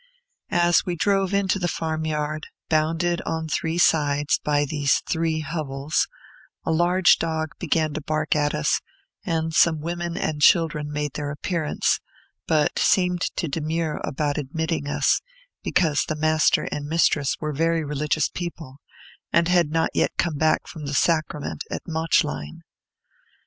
As we drove into the farm yard, bounded on three sides by these three hovels, a large dog began to bark at us; and some women and children made their appearance, but seemed to demur about admitting us, because the master and mistress were very religious people, and had not yet come back from the Sacrament at Mauchline.